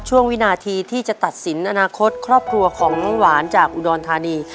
วินาทีที่จะตัดสินอนาคตครอบครัวของน้องหวานจากอุดรธานี